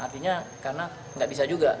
artinya karena nggak bisa juga